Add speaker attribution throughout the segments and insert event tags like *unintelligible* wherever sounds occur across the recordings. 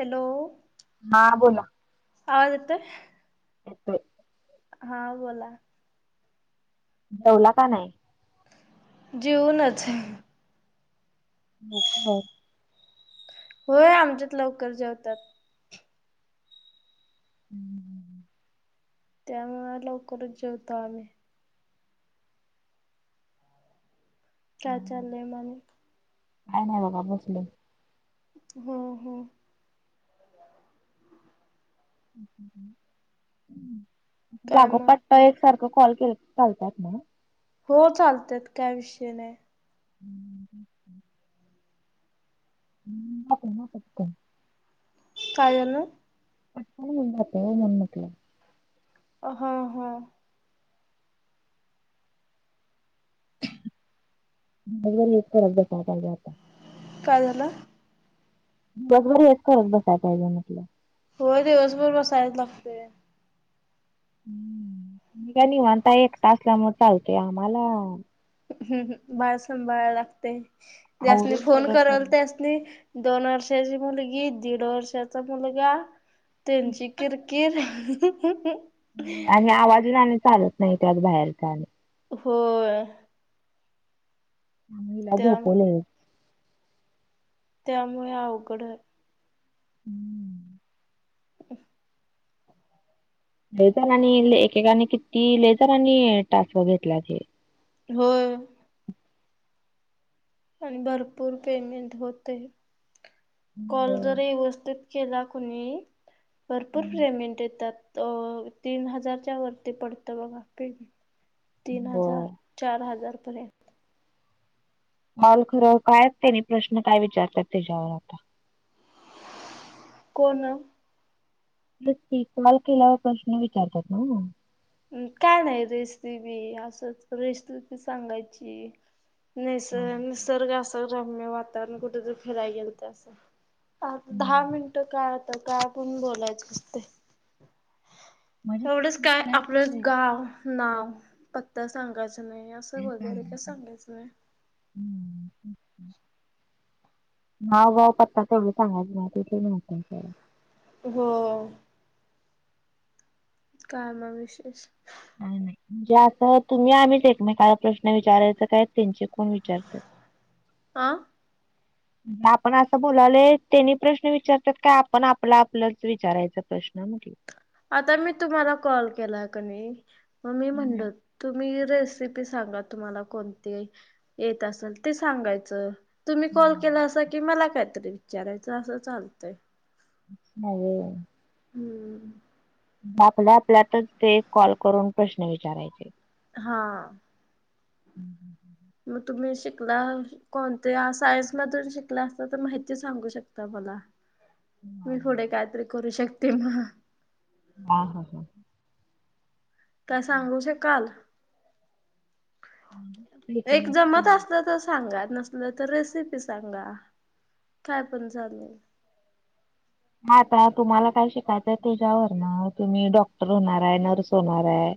Speaker 1: Hello.
Speaker 2: हां बोला.
Speaker 1: आवाज येतोय?
Speaker 2: येतोय.
Speaker 1: हां बोला.
Speaker 2: जेवला का नाही.
Speaker 1: जेवूनच.
Speaker 2: भूक नाही.
Speaker 1: होय, आमच्यात लवकर जेवत्यात.
Speaker 2: *inaudible*
Speaker 1: त्यामुळं लवकरच जेवतो आम्ही. काय चालंय मामी.
Speaker 2: काय नाही बघा बसले.
Speaker 1: हो हो. काय मग
Speaker 2: लागोपाठ. एक सारखं कॉल केले तर, चालत्यात न्हव.
Speaker 1: हो चालत्यात काय विषय नाही.
Speaker 2: ह *unintelligible* *unintelligible*
Speaker 1: काय बोलात.
Speaker 2: *unintelligible* म्हटलं
Speaker 1: अह हम्म
Speaker 2: *unintelligible* सात हजार
Speaker 1: काय झालं?
Speaker 2: दिवसभर हेच करत बसायचं काय ग म्हटलं.
Speaker 1: होय दिवसभर बसायच लागते.
Speaker 2: हम्म तुम्ही काय निवांत आहे एकट असल्यामुळे चालतेय आम्हाला
Speaker 1: हम्म हम्म बाळ सांभाळायला लागते, ज्यांसनी
Speaker 2: आवरून
Speaker 1: फोन
Speaker 2: सगळं
Speaker 1: करल
Speaker 2: करून
Speaker 1: त्यांस नी दोन वर्षाची मुलगी, दीड वर्षाचा मुलगा त्यांची किरकिर.
Speaker 2: आणि आवाजन आला चालत नाही त्यात बाहेरचा आणि.
Speaker 1: हो
Speaker 2: मुलीला
Speaker 1: त्या
Speaker 2: झोपलोय.
Speaker 1: त्यामुळे अवघड आहे.
Speaker 2: हम्म
Speaker 1: *inaudible*
Speaker 2: ले जणांनी एकेकानी किती ले जणांनी टास्क घेतल्या की.
Speaker 1: हो अन भरपूर पेमेंट होते, कॉल जर व्यवस्थित केला कुणी, भरपूर पेमेंट येतात. त तीन हजारच्या वरती पडतं बघा पेमेंट, तीन हजार
Speaker 2: होय
Speaker 1: चार हजारपर्यंत.
Speaker 2: माल खरं काय तेनी प्रश्न काय विचारतात त्याच्यावर आता.
Speaker 1: कोण?
Speaker 2: कॉल केल्यावर प्रश्न विचारतात ना व
Speaker 1: काय नाही रेसिपी असंच रेसिपी सांगायची. नाही
Speaker 2: हो
Speaker 1: सर निसर्ग असं रम्य वातावरण कुठेतरी फिराय गेल तर असं. आता दहा मिनटं काय आता काय पण बोलायचं असते.
Speaker 2: म्हणजे फक्त बोलायचं आहे.
Speaker 1: हा नाव, पत्त सांगायचं नाही असं वगैरे काही सांगायचं नाही.
Speaker 2: हम्म नाव, गाव, पत्ता तेवढं सांगायच नाही, त्याच्यानं होतंय काय?
Speaker 1: हो काय मंग विशेष?
Speaker 2: काही नाही, म्हणजे आता तुम्ही आम्ही एकमेकाला प्रश्न विचारायच काय त्यांचे कोण वि चारतात
Speaker 1: आ *inaudible*
Speaker 2: आपण असं बोलाले त्यांनी प्रश्न विचारतात का आपण आपलं आपलंच विचारायच प्रश्न? म्या म्हटलं
Speaker 1: आता मी तुम्हाला कॉल केला का नाही मग मी
Speaker 2: हम्म.
Speaker 1: म्हणलं तुम्ही रेसिपी सांगा तुम्हाला कोणती येत असेल ते सांगायचं. तुम्ही कॉल केला अस की मला कायतरी विचारायचं असं चालतय.
Speaker 2: *unintelligible* नाही व
Speaker 1: हम्म
Speaker 2: आपल्या आपल्यातच ते कॉल करून प्रश्न विचारायचे.
Speaker 1: हा.
Speaker 2: हम् ह ह.
Speaker 1: मग तुम्ही शिकला कोणत्या सायन्स मधून शिकल्या असता तर माहिती सांगू शकता मला.
Speaker 2: हा
Speaker 1: मी
Speaker 2: हा.
Speaker 1: पुढे कायतरी करू शकते मग.
Speaker 2: हा हा हा.
Speaker 1: काय सांगू शकाल? एक
Speaker 2: असं काय
Speaker 1: जमत
Speaker 2: नाही.
Speaker 1: असलं सांगा नसल तर रेसिपी सांगा काय पण चालेल?
Speaker 2: हा आता तुम्हाला काय शिकायचंय त्याच्यावर ना तुम्ही डॉक्टर होणार आहे. नर्स होणार आहे.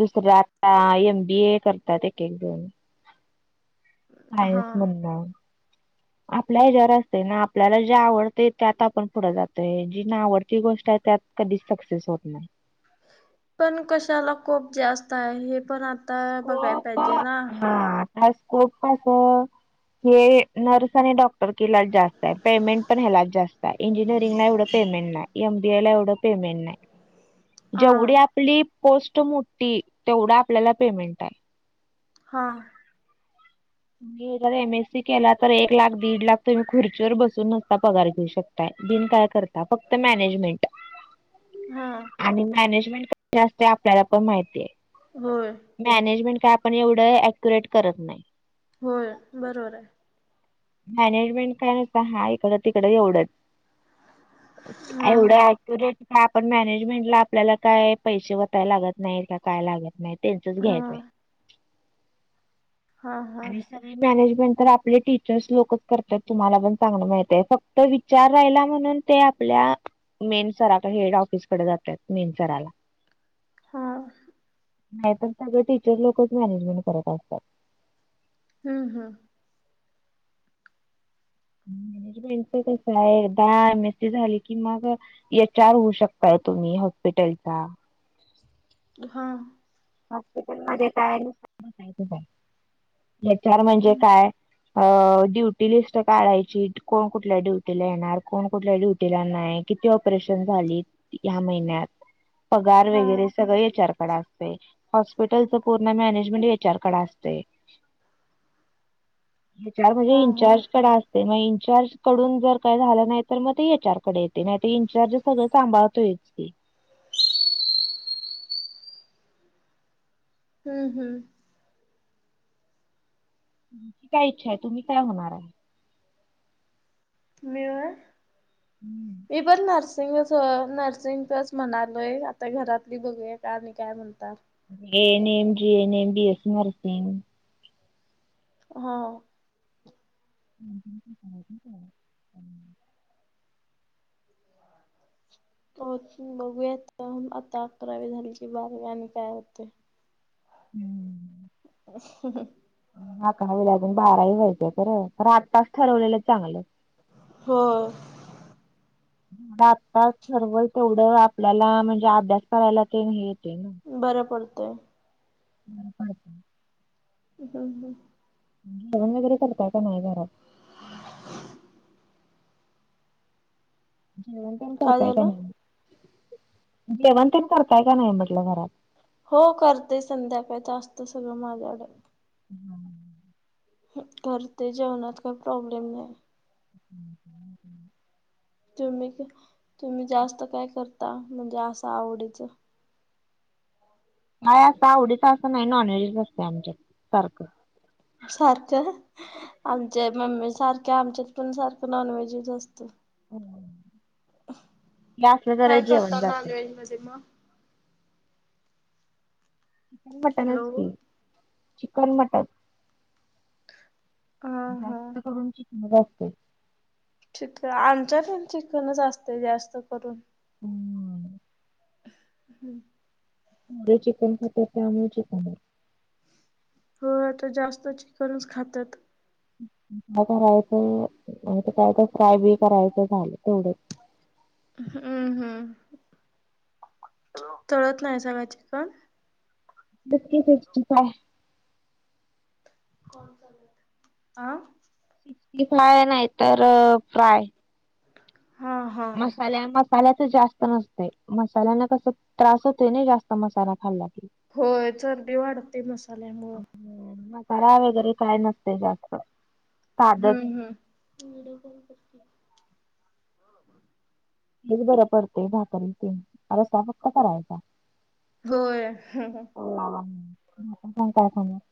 Speaker 2: दुसरं आता एम बी ए करतात एक एकजण.
Speaker 1: हा.
Speaker 2: आहेस म्हण ना.
Speaker 1: *inaudible*
Speaker 2: आपल्या ह्याच्या्यावर असते ना आपल्याला जे आवडते, त्यात आपण पुढं जातय जी ना आवडती गोष्ट आहे त्यात कधीच सक्सेस होत नाही.
Speaker 1: पण कशाला स्कोप जास्त आहे हे पण आता बघाय
Speaker 2: स्कोप
Speaker 1: पाहिजे ना.
Speaker 2: हा स्कोप कसं आता हे नर्स आणि डॉक्टर. जास्त आहे पेमेंट पण हेलाच जास्त आहे इंजिनिअरिंग ला एवढं पेमेंट नाही एम बी आय ला एवढं पेमेंट नाही
Speaker 1: हा
Speaker 2: जेवढी आपली पोस्ट मोठी तेवढी. आपल्याला पेमेंट आहे.
Speaker 1: हां.
Speaker 2: एम एस सी केला तर एक लाख दीड लाख तुम्ही खुर्चीवर बसून नुसता पगार घेऊ शकता. बिन काय करता फक्त मॅनेजमेंट.
Speaker 1: हा.
Speaker 2: आणि मॅनेजमेंट कशी असते आपल्याला पण माहिती आहे.
Speaker 1: होय
Speaker 2: मॅनेजमेंट काय आपण एवढं अक्युरेट करत नाही.
Speaker 1: होय बरोबर आहे.
Speaker 2: मॅनेजमेंट काय हाय ना हा इकडं तिकडं एवढंच
Speaker 1: हा
Speaker 2: एवढं अक्युरेट. का आपण मॅनेजमेंटला आपल्याला काय पैसे वतायला लागत नाहीत का काय लागत नाहीत. त्यांचच
Speaker 1: हा
Speaker 2: घ्यायचंय.
Speaker 1: हा हा
Speaker 2: आणि मॅनेजमेंट तर आपले. लोकच करतात तुम्हाला पण चांगलं मिळतय फक्त विचार राहिला म्हणून ते आपल्या मेन सराकडे हेड जातात मेन सराला.
Speaker 1: हा
Speaker 2: नाही तर सगळं टीचर लोकच मॅनेजमेंट करत असतात.
Speaker 1: हम् हम.
Speaker 2: मॅनेजमेंटच कस आहे एकदा एम एसी झाली की मग एच आर होऊ शकता तुम्ही हॉस्पिटलचा.
Speaker 1: हा
Speaker 2: हॉस्पिटल *unintelligible* एच आर म्हणजे काय? अ ड्युटी लिस्ट काढायची कोण कुठल्या ड्युटीला येणार. कोण कुठल्या ड्युटीला नाही. किती ऑपरेशन झाली या महिन्यात पगार
Speaker 1: हा
Speaker 2: वगैरे सगळ एच आर कडे असतय. हॉस्पिटलचं पूर्ण मॅनेजमेंट एच आर कडे असतय. म्हणजे
Speaker 1: हो हो
Speaker 2: इंचार्ज कडाल *unintelligible* ते मग इनचार्ज कडुन जर काही झाल नाही तर मग ते एचआरकडे येते नाही ते इनचार्ज सगळ सांभाळतोय
Speaker 1: हं हम्म्म
Speaker 2: काय इच्छा आहे तुम्ही काय होणार आहे
Speaker 1: मी होय
Speaker 2: हम्म.
Speaker 1: मी पण नर्स नसिंगच नर्सिंगच म्हणालोय आता घरातली बघुया का आणि काय म्हणतात
Speaker 2: ANM GNM B SC nursing
Speaker 1: होव
Speaker 2: *inaudible*
Speaker 1: हो बघुयात आता अकरावी झाली की बारावी आणि काय होते
Speaker 2: हं
Speaker 1: *inaudible*
Speaker 2: अकावीेला आजुन बारावी व्हायची खर आत्ताच ठरवलेल चांगल
Speaker 1: हो
Speaker 2: आता ठरवल तेवढ आपल्याला म्हणजे अभ्यास करायला ते येते ना
Speaker 1: बर पडतय
Speaker 2: बर पडतंय
Speaker 1: हं हं
Speaker 2: जेवण वगैरे करताय का नाही घरात जेवण तेन
Speaker 1: काय
Speaker 2: करताय का
Speaker 1: झालं?
Speaker 2: नाही जेवण तेन करताय का नाही म्हटल घरात
Speaker 1: हो करते संध्याकाळच असते जास्त माझ्याकडे
Speaker 2: हं
Speaker 1: करते जेवणात काही प्रॉब्लेम नाही
Speaker 2: हं हं हं
Speaker 1: तुम्ही तुम्ही जास्त काय करता म्हणजे अस आवडीच
Speaker 2: काय अस आवडीच अस नाही काही नॉनव्हेजच असतय आमच्याकड सारख
Speaker 1: सारख आमच्या मम्मी सारख्या आमच्यात पण सारख नॉनव्हेजच असत
Speaker 2: ते असल जरा जेवण जातय
Speaker 1: हाॅटेलमध्ये मग
Speaker 2: चिकन मटनच
Speaker 1: हॅलो.
Speaker 2: की चिकन मटन
Speaker 1: हा हा
Speaker 2: जास्त करून चिकनच असते
Speaker 1: चिकन आमच्या पण चिकनच असते जास्त करून
Speaker 2: हम्म्म
Speaker 1: हं
Speaker 2: चिकन खातेत त्यामुळेच चिकन आहे
Speaker 1: हो आता जास्त चिकनच खातात
Speaker 2: काय करायच काय तर फ्राय बी करायच झाल तेवढंच
Speaker 1: हं हं तळत नाहीसा का चिकन
Speaker 2: चिकन सिक्स्टी फ्राय
Speaker 1: आं
Speaker 2: *inaudible* नाही तर फ्राय
Speaker 1: हा हा
Speaker 2: मसाल्या मस्त मसाल्याच जास्त नसते मसाल्यांना कस त्रास होत नाही जास्त मसाला खाल्ला की
Speaker 1: होय चरबी वाढती मसाल्यामुळ
Speaker 2: मसाला वगैरे काय नसते जास्त साधच
Speaker 1: हं हं व्हिडिओ कॉल कर की हो का?
Speaker 2: हेच बरं पडतय भाकरी ते रस्सा फक्त करायचा
Speaker 1: होय...
Speaker 2: का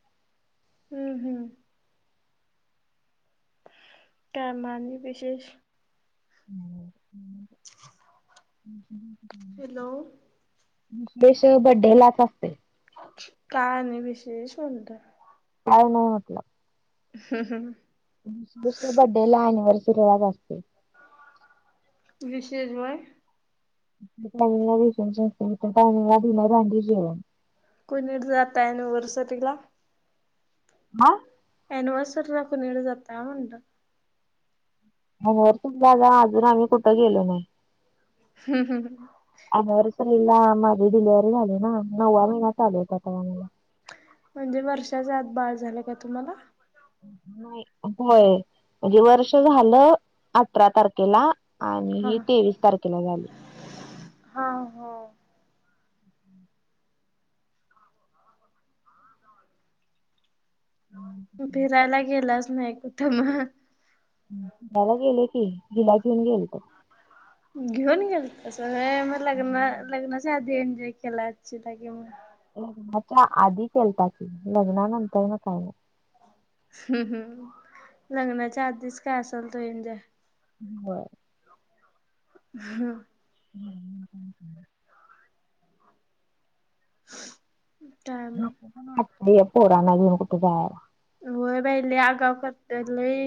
Speaker 1: हम्म हम्म काय मग आणि विशेष हॅलो.
Speaker 2: ह विशेष बडेलाच असते.
Speaker 1: काय नाही विशेष म्हणत
Speaker 2: काय नाही म्हटलं
Speaker 1: हम् हम
Speaker 2: दुसऱ्या बडेला अनिव्हर्सरीलाच असते.
Speaker 1: शेजवान
Speaker 2: टाइमीगल भांडी जेवन
Speaker 1: कोणीकडे जाता अनिव्हर्सिला आह
Speaker 2: हा
Speaker 1: एनिव्हसरीला कोणी कडे जातय म्हणल
Speaker 2: हो सुद्धा अजून आम्ही कुठं गेलो नाही.
Speaker 1: हम् हम ह
Speaker 2: एनिवर्सरीला माझी डिलेव्हरी झाली ना नववा महिना चालू होता तेव्ह मला
Speaker 1: म्हणजे वर्षाच्या आत बाळ झालं का तुम्हाला?
Speaker 2: नाही, होय म्हणजे वर्ष झालं अठरा तारखेला
Speaker 1: हा.
Speaker 2: आणि तेवीस तारखेला झाली.
Speaker 1: हा हो फिरायला गेलाच नाही कुठं मग
Speaker 2: फिरायला गेले की हिला घेऊन गेलतो
Speaker 1: घेऊन गेलतस होय मग लग्न
Speaker 2: गेलतो.
Speaker 1: लग्नाच्या आधी एन्जॉय केला की मग
Speaker 2: लग्नाच्या आधी केलता की लग्नानंतर ना काय ना
Speaker 1: हम् हम् लग्नाच्या आधीच काय असेल तो एन्जॉय
Speaker 2: होय-
Speaker 1: हम्
Speaker 2: ह
Speaker 1: काय मग
Speaker 2: पोरना कुठे घेवुन जायला
Speaker 1: होय बाई लई आगा करत लई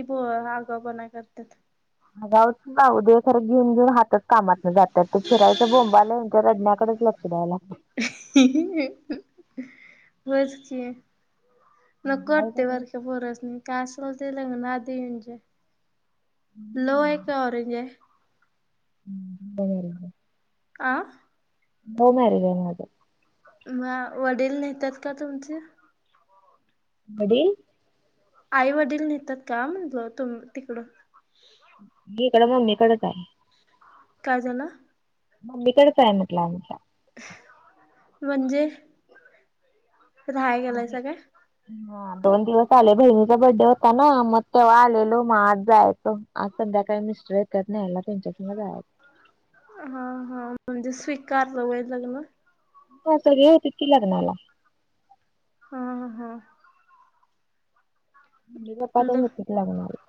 Speaker 1: आगा पणा करतात.
Speaker 2: गाच ना उदे खरं घेऊन घेऊन हातच कामातलं जातात ते फिरायचं बोंबालान रडण्याकडेच फिरायला
Speaker 1: बस कि नको वाटतय बारक्या पोरासनि काय असेल ते लग्नातली आधी एन्जॉय लव आहे का ऑरेंज आहे?
Speaker 2: लव
Speaker 1: आं
Speaker 2: लव्ह मॅरेज आहे माझा
Speaker 1: ह वडील नेतात का तुमचे?
Speaker 2: वडील.
Speaker 1: आई वडील नेतात का म्हतलं तुम तिकड.
Speaker 2: मी इकड मम्मी कडेच आहे.
Speaker 1: काय झाला?
Speaker 2: मम्मी कडेच आहे म्हटलं आमच्या.
Speaker 1: म्हणजे राहाया
Speaker 2: म्हणजे
Speaker 1: गेलायसा का.
Speaker 2: हा दोन दिवस आले बहिणीचा बड्डे होता ना म तेव्हा आलेलो मग आज जायचो. आज संध्याकाळी मिस्टर येत्यात न्यायला त्यांच्याकडन जायाच.
Speaker 1: हा हा म्हणजे स्वीकारलं व्हय लग्न.
Speaker 2: हा तरी होती ती लग्नाला.
Speaker 1: हा हा हा!
Speaker 2: मे गप्पा
Speaker 1: ल
Speaker 2: तेन होते *unintelligible*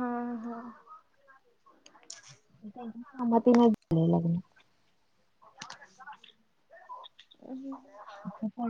Speaker 1: हा हा!
Speaker 2: *unintelligible*
Speaker 1: *unintelligible*
Speaker 2: *inaudible*